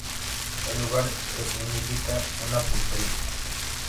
El lugar escenifica una pulpería.